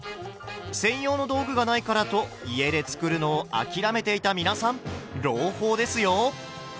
専用の道具がないからと家で作るのを諦めていた皆さん朗報ですよ！